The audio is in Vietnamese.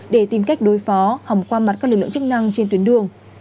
để tìm cách đối phó hồng qua mặt các lực lượng chức năng trên tuyến đường